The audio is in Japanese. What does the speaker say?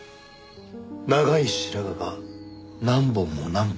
「長い白髪が何本も何本も」って。